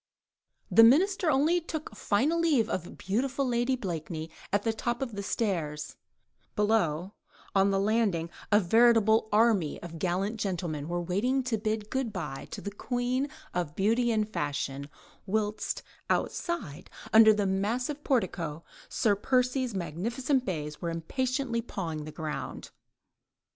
The Minister only took final leave of beautiful Lady Blakeney on the top of the stairs; below, on the landing, a veritable army of gallant gentlemen were waiting to bid "Good bye" to the queen of beauty and fashion, whilst outside, under the massive portico, Sir Percy's magnificent bays were impatiently pawing the ground.